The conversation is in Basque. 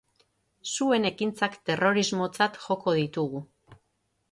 Zuen ekintzak terrorismotzat joko ditugu.